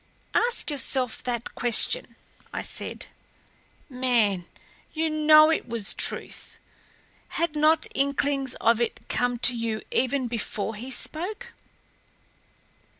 "Ask yourself that question," I said. "Man you know it was truth. Had not inklings of it come to you even before he spoke?